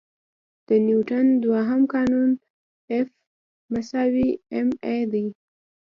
د نیوټن دوهم قانون F=ma دی.